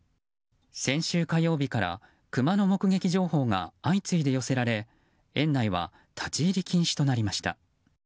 先週火曜日からクマの目撃情報が相次いで寄せられ園内は立ち入り禁止となりました。